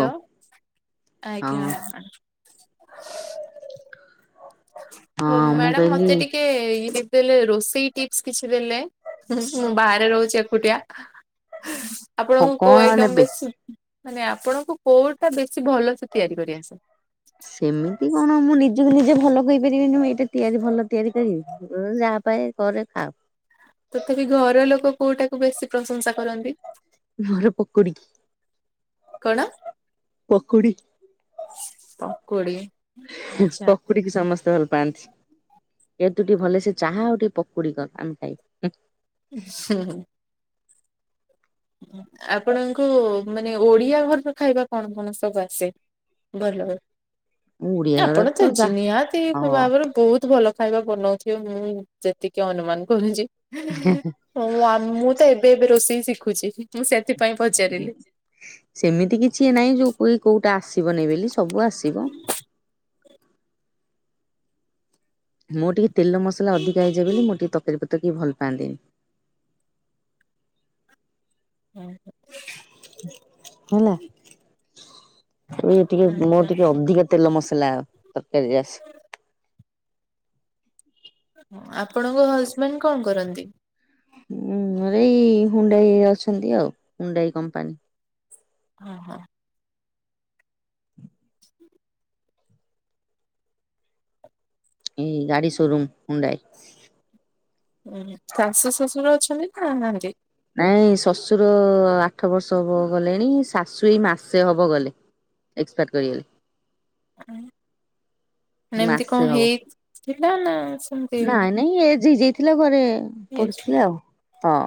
Hello ହଁ ଆଜ୍ଞା। ହ ହଁ ମୁଁ ମ୍ୟାଡ଼ାାମ କହିଲି ମତେ ଟିକେ ଇ ଦେଲେ ରୋଷେଇ ଟିପ୍ସ କିଛି ଦେଲେ ମୁଁ ବାହାରେ ରହୁଛି ଏକୁଟିଆ। ହଁ ଆପଣଙ୍କୁ କୋଉ କଣ ଆଇଟମ୍ ନେବେ? ବେଶି ମାନେ ଆପଣଙ୍କୁ କୋଉଟା ବେଶୀ ଭଲସେ ତିଆରି କରି ଆସେ? ସେମିତି କଣ ମୁଁ ନିଜକୁ ନିଜେ ଭଲ କହିପାରିବିନି ମୁଁ ଏଇଟା ତିଆରି ଭଲ ତିଆରି କରିବି। ଯାହା ପାଏ କରେ ଖାଉ। ତଥାପି ଘର ଲୋକ କୋଉଟା କୁ ବେଶୀ ପ୍ରଶଂସା କରନ୍ତି? ଘରେ ପକୁଡି। କଣ? ପକୁଡ଼ି। ପକୁଡ଼ି। ହୁଁ ପ ପକୁଡି଼ କି ସମସ୍ତେ ଭଲ ପାଆନ୍ତି। ଏ ତୁ ଟିକେ ଭଲ ସେ ଚାହା ଆଉ ଟିକେ ପକୁଡି଼ କର ଆମେ ଖାଇବୁ। ସେ ଆପଣଙ୍କୁ ମାନେ ଓଡିଆ ଘରର ଖାଇବା କଣ କଣ ସବୁ ଆସେ? ବଲଲ ମୁଁ ଓଡିଆ ଘର ଆପଣ ତ ଯା ଜିିନିୟାତି ହଁ। ବାବର ବହୁତ୍ ଭଲ ଖାଇବା ବନଉଥିବେ ମୁଁ ଯେତିକି ଅନୁମାନ କରୁଚି। ହଉ ମୁଁ ତ ଏବେ ଏବେ ରୋଷେଇ ଶିଖୁଛି ମୁଁ ସେଥିପାଇଁ ପଚାରିଲି। ସେମିତି କିଛି ନାହିଁ ଯୋଉ କୋଉଟା ଆସିବନି ବୋଲି ସବୁ ଆସିବ। ମୋ ଟିକେ ତେଲ ମସଲା ଅଧିକା ହେଇଯାଏ ବୋଲି ମୁଁ ଟିକେ ତରକାରୀ ପତ୍ର ଟିକେ ଭଲ ପାଆନ୍ତିନି। ହୁଁ। ହେଲା ମୁଁ ଟିକେ ମୋ ଆଚ୍ଛା ଟିକେ ଅଧିକ ତେଲ ମସଲା ଆଉ ତରକାରୀ ଆସେ। ଆପଣଙ୍କ ହଜବେଣ୍ଡ୍ କଣ କରନ୍ତି? ହଁ ଏଇ ହୁଣ୍ଡାଇ ଅଛନ୍ତି ଆଉ ହୁଣ୍ଡାଇ କମ୍ପାନୀ। ହଁ ହଁ। ଚି ଏଇ ଗାଡି ସୋରୁୁମ୍ ହୁଣ୍ଡା ଏସି ହୁଁ ଶାଶୁ ଶଶୁର ଅଛନ୍ତି ନାଁ ନାହାନ୍ତି। ନାଇଁ ଶଶୁର ଆଠ ବର୍ଷ ହବ ଗଲେଣି ଶାଶୁ ଏଇ ମାସେ ହବ ଗଲେ। ଏକ୍ସପାର୍ଟ କରିଗଲେ। ମାନେ ଏମତି ମାସେ କଣ ହବ ହେଇଥିଲା ନାଁ ସେମ୍ ନାଇଁ ନାଇଁ ଏଜେ ହେଇଯାଇଥିଲା ଘରେ ଏଜ୍ ପଢିଥିଲେ ଆଉ ହଁ।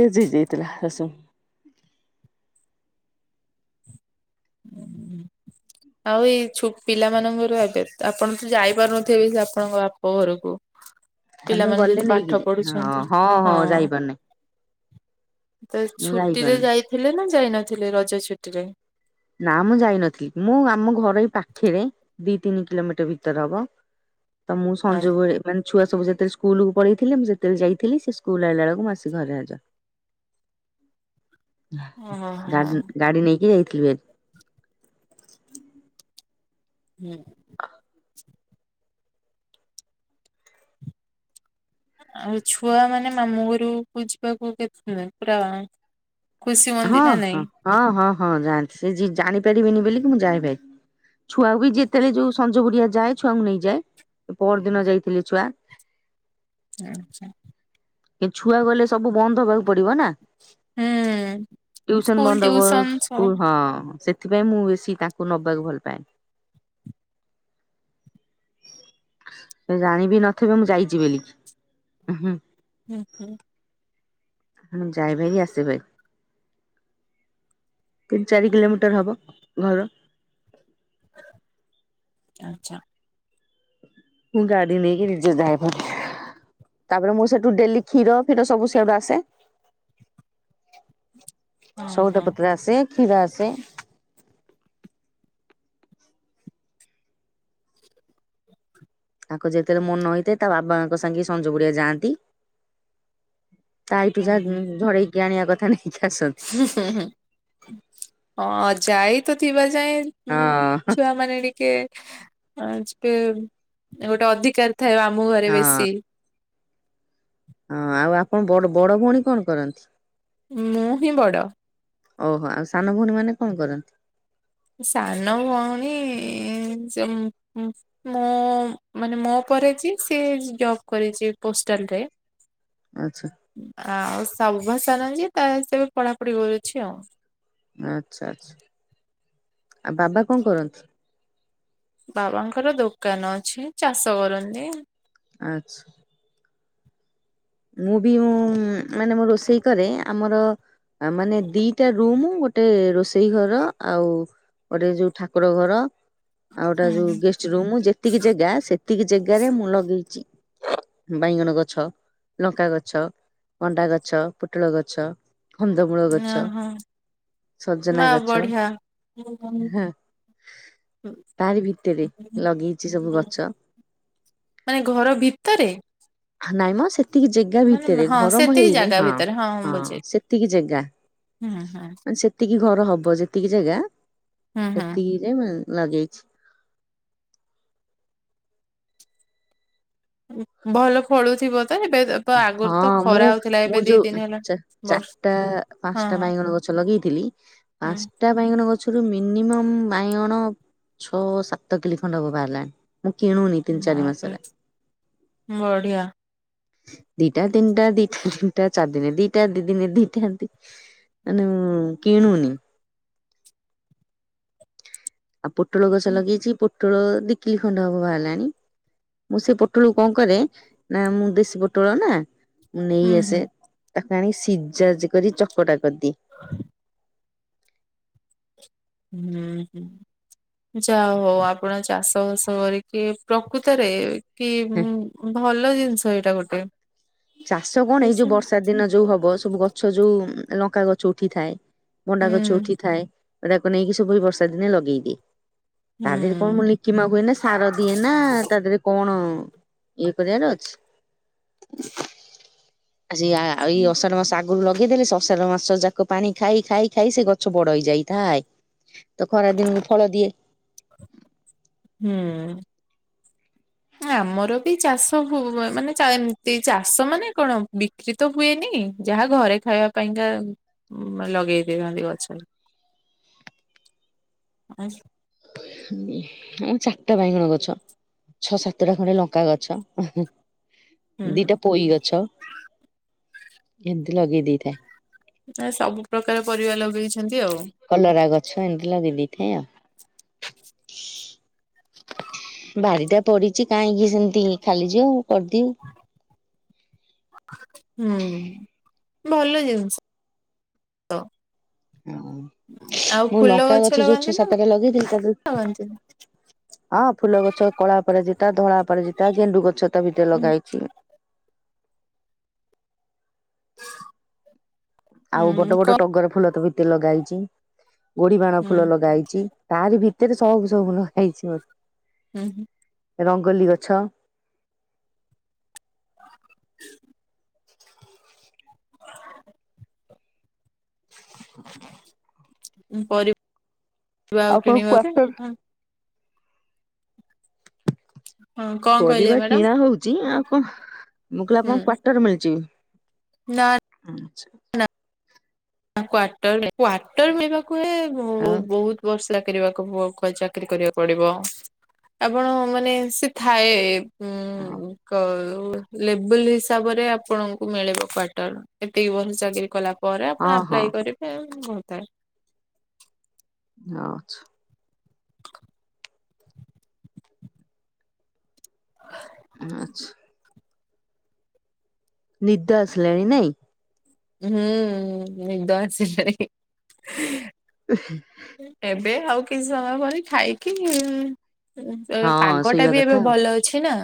ଏଜ୍ ହେଇଯାଇଥିଲା ଶାଶୁ। ହୁଁ। ଆଉ ଏଇ ଛୁ ପିଲାମାନଙ୍କର ଏବେ ଆପଣ ତ ଯାଇପାରୁ ନଥିବେ ସେ ଆପଣଙ୍କ ବାପ ଘରକୁ। ମୁଁ ପିଲାମାନେ ଗଲେ ଯଦି ନେଇକି ପାଠ ଯେ ହଁ ପଢୁଛନ୍ତି ହଁ। ଯାଇପାରୁନି ତ ମୁଁ ଛୁଟିରେ ଯାଇପାରୁନି। ଯାଇଥିଲେ ନାଁ ଯାଇ ନଥିଲେ ରଜ ଛୁଟିରେ? ନାଁ ମୁଁ ଯାଇନଥିଲି ମୁଁ ଆମ ଘର ଏଇ ପାଖେରେ। ଦି ତିନି କିଲୋମିଟର ଭିତରେ ହବ ତ ମୁଁ ଓ ସଞ୍ଜବେଳେ ମାନେ ଛୁଆ ସବୁ ଯେତେବେଳେ ସ୍କୁଲକୁ ପଳେଇଥିଲେ ମୁଁ ସେତେବେଳେ ଯାଇଥିଲି ସେ ସ୍କୁଲ ଆଇଲା ବେଳକୁ ମୁଁ ଆସି ଘରେ ହାଜର। [inaudible] ହୋ ଗା ହୋ ଗାଡ଼ି ନେଇକି ଯାଇଥିଲି ଭାରି। ହୁଁ। [inaudible] ଆଉ ଛୁଆ ମାନେ ମାମୁଁ ଘରକୁ ଯିବାକୁ କେତେଦିନି ପୁରା ଖୁସି ହୁଅନ୍ତି ହଁ ନା ନାଇଁ? ହଁ ହଁ ହଁ ହଁ ଯାଆନ୍ତି ସେ ଜାଣି ପାରିବେନି ବୋଲିକି ମୁଁ ଯାଏ ଭାରି। ଛୁଆ ବି ଯେତେବେଳେ ଯୋଉ ସଞ୍ଜ ବେଳୁଆ ଯାଏ ଛୁଆଙ୍କୁ ନେଇଯାଏ ପହଦିନ ଯାଇଥିଲେ ଛୁଆ। ଆଚ୍ଛା। ଏ ଛୁଆ ଗଲେ ସବୁ ବନ୍ଦ ହବାକୁ ପଡ଼ିବ ନାଁ। ହୁଁ ଟ୍ୟଉସନ୍ ସ୍କୁଲ ବନ୍ଦ ହବ ଟିଉସନ ସବୁ ସ୍କୁଲ ହଁ ସେ ସେଥିପାଇଁ ମୁଁ ବେଶୀ ତାଙ୍କୁ ନବାକୁ ଭଲ ପାଏନି। ସେ ଜାଣିବି ନଥିବେ ମୁଁ ଯାଇଛି ବୋଲିକି। ହୁଁ ହୁଁ। ହଁ ଯାଏ ଭାରି ଆସେ ଭାରି। ତିନି ଚାରି କିଲୋମିଟର ହବ ଘର। ଆଚ୍ଛା। ମୁଁ ଗାଡ଼ି ନେଇକି ନିଜେ ଯାଏ ଭାରି। ତାପରେ ମୁଁ ସେଇଠୁ ଡେଲି କ୍ଷୀର ଫୀର ସବୁ ସେଆଡୁ ଆସେ। [inaudible] ହଁ ସଉଦା ହଁ ପତ୍ର ଆସେ କ୍ଷୀର ଆସେ। [inaudible] ତାଙ୍କ ଯେତେବେଳେ ମନ ହେଇଥାଏ ତା ବାପାଙ୍କ ସାଙ୍ଗେ ସଞ୍ଜ ବେଳୁଆ ଯାଆନ୍ତି। ତା ଆଈଠୁ ଯାହା ଉଁ ଝଡ଼େଇକି ଆଣିବା କଥା ନାଇ ହୁଁ ହୁଁ ହୁଁ ହଁ ଅଜା ଆଈ ତ ଥିବା ଯାଏଁ ହୁଁ ହଁ ହଁ। ଛୁଆ ମାନେ ଟିକେ ଅ ଯେ ଗୋଟେ ଅଧିକାର ଥାଏ ମାମୁଁ ଘରେ ବେଶୀ। ହଁ ଆଉ ଆପଣ ବଡ଼ ବଡ଼ ଭଉଣୀ କଣ କରନ୍ତି? ମୁଁ ହିଁ ବଡ଼। ଓହୋ ଆଉ ସାନ ଭଉଣୀ ମାନେ କଣ କରନ୍ତି? ସାନ ଭଉଣୀ ଏ ସିଏ ଉଁ ଉଁ ମୋ ମାନେ ମୋ ପରେ ଯିଏ ସିଏ ଜବ୍ କରିଛି ପୋଷ୍ଟାଲରେ ଆଚ୍ଛା। ଆଉ ସବା ଯିଏ ତାର ସିଏ ଏବେ ପଢ଼ାପଢ଼ି କରୁଛି ଆଉ। ଆଚ୍ଛା ଆଚ୍ଛା ଆଉ ବାବା କଣ କରନ୍ତି? ବାବାଙ୍କର ଦୋକାନ ଅଛି ଚାଷ କରନ୍ତି। ଆଚ୍ଛା। ମୁଁ ବି ଉୁଁ ମାନେ ମୁଁ ରୋଷେଇ କରେ ଆମର ଆଉ ମାନେ ଦିଇଟା ରୁମୁ ଗୋଟେ ରୋଷେଇ ଘର ଆଉ ଗୋଟେ ଯୋଉ ଠାକୁର ଘର ଆଉ ଗୋଟେ ହୁଁ ଯୋଉ ହୁଁ ଗେଷ୍ଟ୍ ରୁମ୍ ଯେତିକି ଜାଗା ସେତିକି ଜାଗାରେ ମୁଁ ଲଗେଇଛି ବାଇଗଣ ଗଛ ଲଙ୍କା ଗଛ ଭଣ୍ଡା ଗଛ ପୋଟଳ ଗଛ କନ୍ଦମୂଳ ଗଛ ଓହୋ ସଜନା ମା ଗଛ ବଢିଆ। ହଁ ତାରି ଭିତରେ ଲଗେଇଛି ସବୁ ଗଛ। ମାନେ ଘର ଭିତରେ? ନାଇଁ ମ ସେତିକି ଜାଗା ମାନେ ଭିତରେ ହଁ ଘରମ ସେତିକି ହେଇନି ଜାଗା ହଁ ଭିତରେ ହଁ ବୁଝିଲି। ସେତିକି ଜେଗା ହୁଁ ହୁଁ ଯେତିକି ଘର ହବ ଯେତିକି ଜାଗା ହୁଁ ହୁଁ। ସେତିକି ଯାଏ ମୁଁ ଲଗେଇଛି। ଭଲ ଫଳୁଛିବୋଧେ ଏବେ ତ ଏବେ ହଁ ଆଗରୁ ଖରା ମୁଁ ହଉଥିଲା ମୁଁ ଏବେ ଦି ଦିନ ଯୋଉ ହେଲା। ଚା ବ ଚାରିଟା ହଁ ପାଞ୍ଚଟା ବାଇଗଣ ଗଛ ଲଗେଇଥିଲି ହୁଁ। ଚାଟା ବାଇଗଣ ଗଛରୁୁ ମିନିମମ୍ ବାଇଗଣ ଛଅ ସାତ କିଲି ଖଣ୍ଡ ହବ ବାହାରିଲା। ମୁଁ କିଣୁନି ତିନି ଚାରି ବାପରେ ମାସରେ। ବଢିଆ। ଦିଟା ତିନିଟା ଦିଟା ତିନିଟା ଚାରିିନେ ଦିଟା ଦି ଦିନେ ଦିଟା ଦି ଉଁ କିଣୁନି। ଆଉ ପୋଟଳ ଗଛ ହୁଁ ଲଗେଇଛି ପୋଟଳ ଦିକିଲି ଖଣ୍ଡ ହବ ବାହାରିଲାଣି ମୁଁ ସେ ପୋଟଳକୁ କଣ କରେ ନା ମୁଁ ଦେଶୀ ପୋଟଳ ନା ମୁଁ ନେଇ ହୁଁ ଆସେ ହୁଁ। ତାକୁ ଆଣିିକ ସିଝା ଜି କରି ଚକଟା କରିଦିଏ। ହ। ହୁଁ ହୁଁ। ସେ ଯାହା ହଉ ଆପଣ ଚାଷ ବାସ କରିକି ପ୍ରକୃତରେ କି ଉୁଁ ଭଲ ଜିନିଷ ଏଇଟା ଗୋଟେ। ଚାଷ କଣ ଏଇ ବେଶୀ ଯୋଉ ହୁଁ ବର୍ଷା ଦିନ ଯୋଉ ହବ ସବୁ ଗଛ ଯୋଉ ଲଙ୍କା ଗଛ ଉଠିଥାଏ ମଣ୍ଡା ଗଛ ଉଠିଥାଏ ତାକୁ ନେଇକି ସବୁ ବର୍ଷା ଦିନେ ଲଗେଇଦିଏ। ତା ଦେହରେ କଁ ମୁଁ ହୁଁ ଲଖି ମା କ ହୁଏ ନା ସାର ଦିଏ ନା ତା ଦେହରେ କଣ ଇଏ କରି ଆର ଅଛି ଆସି ଆ ଆ ଏଇ ଅଷାଢ ମାସ ଶାଗରୁ ଲଗେଇଦେଲେ ସେ ଆଷାଢ଼ ମାସ ଯାକ ପାଣି ଖାଇ ଖାଇ ଖାଇ ସେ ଗଛ ବଡ ହେଇଯାଇଥାଏ। ତ ଖରା ଦିନ ଫଳ ଦିଏ। ହୁଁ। ଆମର ବି ଚାଷ ହୁଏ ମାନେ ଚା ଏମିତି ଚାଷ ମାନେ କଣ ବି ବିକ୍ରିତ ହୁଏନି ଯାହା ଘରେ ଖାଇବା ପାଇଁକା ଉଁ ଲଗେଇ ଦେଇଥାନ୍ତି ଗଛ। ଆ [unintelligible] ଉଁ ଆଉ ଚାରିଟା ବାଇଗଣ ଗଛ। ଛଅ ସାତଟା ଖଣ୍ଡେ ଲଙ୍କା ଗଛ ହୁଁ ହୁଁ। ହୁଁ ଦିଟା ହୁଁ ପୋଇ ଗଛ ଏମିତି ଲଗେଇ ଦେଇଥାଏ। ଏ ସବୁ ପ୍ରକାର ପରିବା ଲଗେଇଛନ୍ତି ଆଉ। କଲରା ଗଛ ଏମିତି ଲଗେଇ ଦେଇଥାଏ ଆଉ। ବାରିଟା ପଡିଛି କାହିଁକି ସେମିତି ଖାଲିଯିବ ମୁଁ କରିଦିଏ। ହୁଁ ଭଲ ଜିନିଷ। ହୁଁ ଆଉ ମୁଁ ଫୁଲ ଲଙ୍କା ଗଛ ଯୋଉ ଲଗାନ୍ତି ଛଅ ନା ସାତଟା ଲଗେଇ ତାକୁ ଲଗାନ୍ତିନି? ହଁ ଫୁଲ ଗଛ କଳା ପରାଜିତା ଧଳା ପରାଜିତା ଗେଣ୍ଡୁ ଗଛ ତା ଭିତରେ ହୁଁ ଲଗା ହେଇଛି। [inaudible] ଆଉ ବଡ ବଡ କ ଟଗର ଫୁଲ ତ ଭିତରେ ଲଗାଇଛି ଗୋଡି ବାଣ ଫୁଲ ହୁଁ ଲଗାହେଇଛି। ତାରି ଭିତରେ ସବୁ ସବୁ ଲଗାହେଇଛି ମୋର। ଉଁ ହୁଁ। ରଙ୍ଗୋଲି ଗଛ। ଉଁ ପରିବା ଆଉ କଣ କିଣିବାକୁ କ୍ଵାଟର ଯେ ହୁଁ। ହଁ କ। ପରିବା କିଣା ହଉଛି ଆଉ କଣ ମୁଁ କହିଲି ହୁଁ ଆପଣଙ୍କ କ୍ଵାର୍ଟର ମିଳିଛି? ନା। ଆଚ୍ଛା। କ୍ଵାଟରେ କ୍ୱାଟର ମିଳିବାକୁ ହେ ଭୋ ଆଉ ବହୁତ୍ ବ ସ୍କାକିରିବା ଚାକିରି କରିବାକୁ ପଡିବ। ଆପଣ ମାନେ ସେ ଥାଏ ହଁ ଉଁ କ ଲେବୁଲ ହିସାବରେ ଆପଣଙ୍କୁ ମିଳିବ କ୍ଵାଟର ଏତିକି ବର୍ଷ ଚାକିରି କଲା ପରେ ଆପଣ ଆପ ହଁ ସେ ବହୁତ ଥାଏ। ଆଚ୍ଛା। ଆଚ୍ଛା। ନିଦ ଆସିଲାଣି ନାଇଁ? ହୁଁ ନିଦ ଆସିଲାଣି। ଏ ହେ। ଏବେ ଆଉ କିଛି ସମୟ ପରେ ଖାଇକି ଉଁ ଏ ହଁ ଏପାଗ ଟା ଶୋଇବା ବି କଥା ଏବେ ଆଉ। ଭଲ ଅଛି ନା?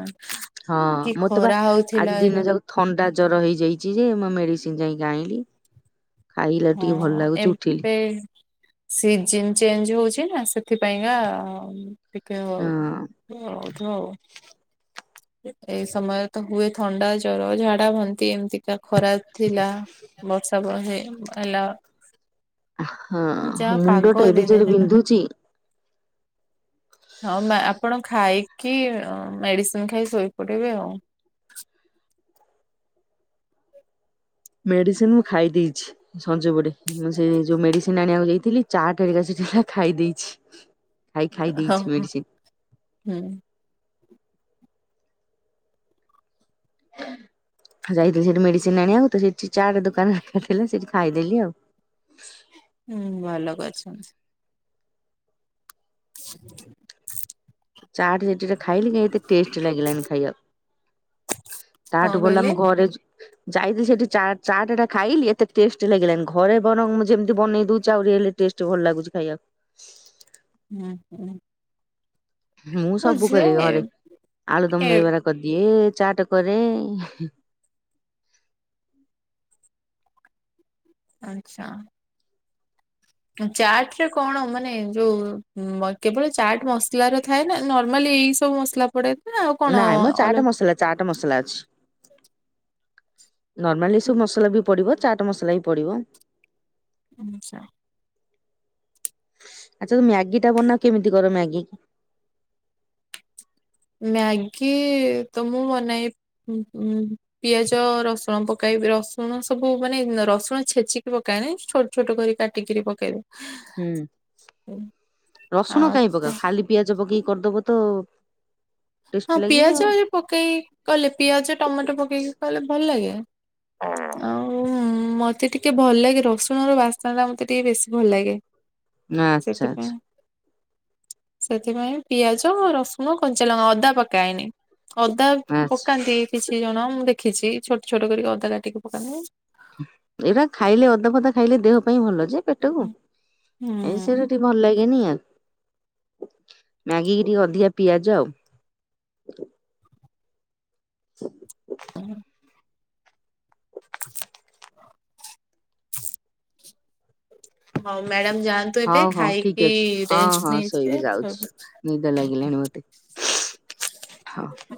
ହଁ କି ମୋତେ ବା ଖରା ହଉଥିଲା ଆଜି ଏବେ ଦିନ ଯାକ ଥଣ୍ଡା ଜର ହେଇଯାଇଛି ଯେ ମୁଁ ମେଡିସିନ ଯାଇକି ଆଇଲି। ଖାଇଲା ଠୁ ଟିକେ ଭଲ ଲାଗୁଛି ଉଠିଲି। ସିଜିନ ଚେଞ୍ଜ ହଉଛି ନା ସେଥିପାଇଁକା ଟିକେଉ ହଁ। ହଉ ଥୁ ହଉ। ଏଇ ସମୟରେ ତ ହୁଏ ଥଣ୍ଡା ଜର ଝାଡା ବାନ୍ତି ଏମିତିକା ଖରା ଥିଲା ବର୍ଷା ବ ହେ ହେଲା ହଁ ଯାହା ମୁଣ୍ଡ ଟା ପାଗ ଏଡେ ଦି ଜୋରେ ଦିନ ହେଲା ବିନ୍ଧୁଛି ହଁ ଆପଣ ଖାଇକି ମେଡିସି ନ ଖାଇ ଶୋଇପଡିବେ ଆଉ ମେଡ଼ିସିନ ମୁଁ ଖାଇ ଦେଇଛି ସଞ୍ଜ ବୋଡେ ମୁଁ ସେ ଯୋଉ ମେଡିସିନ ଆଣିବାକୁ ଯାଇଥିଲି ଚାଟ ହେରିକା ସେଠି ନା ଖାଇ ଦେଇଛି ଖାଇ ହଁ ଖାଇଦେଇଛି ମେଡିସିନ ହୁଁ ଯାଇଥିଲି ସେଠି ମେଡିସିନ ଆଣିବାକୁ ତ ସେଠି ଚାଟ ଦୋକାନ ଥିଲା ସେଇଠି ଖାଇଦେଲି ଆଉ ହୁଁ ଭଲ କହିଛନ୍ତି ଚାଟ ସେଥିରେ ଖାଇଲି କାଇ ଏତେ ଟେଷ୍ଟ ଲାଗିଲାନି ଖାଇବାକୁ କଣ ତାଠୁ ଭଲ କହିଲେ ଆମ ଘରେ ଯାଇକି ସେଠି ଚା ଚାଟ ଟା ଖାଇଲି ଏତେ ଟେଷ୍ଟ ଲାଗିଲାନି ଘରେ ବରଂ ମୁଁ ଯେମିତି ବନେଇ ଦଉଛି ଆଉ ରିଏଲ୍ ଟେଷ୍ଟ ଭଲ ଲାଗୁଛି ଖାଇବାକୁ ହୁଁ ହୁଁ ମୁଁ ହଁ ସବୁ ଝିଅ କରେ ଏ ଘରେ ଆଳୁ ଦମ ଏ ଦହିବାର କରିଦିଏ ଚାଟ କରେ ଆଚ୍ଛା ଚାଟ ରେ କଣ ମାନେ ଯୋଉ କେବଳ ଚାଟ ମସଲାର ଥାଏନା ନର୍ମାଲି ଏଇ ସବୁ ମସଲା ପଡେ ନା ଆଉ କଣ ନାଇଁ ମ ଅଲ ଚାଟ ମସଲା ଚାଟ ମସଲା ଅଛି ନର୍ମାଲି ସବୁ ମସଲା ବି ପଡ଼ିବ ଚାଟ୍ ମସଲା ବି ପଡ଼ିବ ଆଛା ଆଚ୍ଛା ଯୋଉ ମ୍ୟାଗିଟା ବନାଅ କେମିତି କର ମ୍ୟାଗିକି ମ୍ୟାଗି ତ ମୁଁ ବନାଏ ହୁଁ ହୁଁ ପିଆଜ ରସୁଣ ପକାଇବି ରସୁଣ ସବୁ ମାନେ ରସୁଣ ଛେଚିକି ପକାଏନି ଛୋ ଛୋଟ କରି କାଟିକିରି ପକାଇବେ ହୁଁ ରସୁଣ ଆଉ କାଇଁ ପକାଅ ଖାଲି ପିଆଜ ପକେଇକି କରିଦବୁ ତ ହଁ ଟେଷ୍ଟି ଲାଗିବ ଆଉ ପିଆଜ ପକେଇ କଲେ ପିଆଜ ଟମାଟୋ ପକେଇକି କଲେ ଭଲ ଲାଗେ ଆଉ ମତେ ଟିକେ ଭଲ ଲାଗେ ରସୁଣ ର ବାସ୍ନ ଟା ମତେ ଟିକେ ବେଶୀ ଭଲ ଲାଗେ ଆଚ୍ଛା ସେଥିପାଇଁ ଆଚ୍ଛା ସେଥିପାଇଁ ପିଆଜ ରସୁଣ କ ଞ୍ଚା ଲଙ୍କା ଅଦା ପକାଏନି ଅଦା ଆଚ୍ଛା ପକାନ୍ତି କିଛି ଜଣ ମୁଁ ଦେଖିଛି ଛୋଟ ଛୋଟ କରିକି ଅଦା କାଟିକି ପକାନ୍ତି ଏଇରା ଖାଇଲେ ଅଦା ଫଦା ଖାଇଲେ ଦେହ ପାଇଁ ଭଲ ଯେ ପେଟକୁ ଏଇ ସେ ହୁଁ। ମତେ ଭଲ ଲାଗେନି ଆଉ ମ୍ୟାଗିକି ଟିକେ ଅଧିକା ପିଆଜ ଆଉ। ହଁ ହଉ ମ୍ୟାଡମ୍ ଯାଆନ୍ତୁ ଏବେ ହଉ ହଉ ଖାଇ ପି ଠିକ ଅଛି ହଁ ରେଷ୍ଟ୍ ହଁ ଶୋଇବି ନେଇଯିବେ ଯାଉଛି ହଉ। ନିଦ ଲାଗିଲାଣି ମତେ ହଉ।